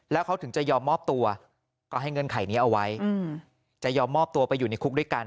แล้วเขาถึงจะยอมมอบตัวก็ให้เงื่อนไขนี้เอาไว้จะยอมมอบตัวไปอยู่ในคุกด้วยกัน